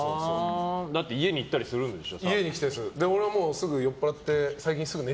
だって家に行ったりするんでしょ。